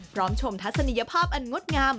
พร้อมชมทัศนียภาพอันงดงาม